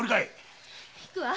行くわ。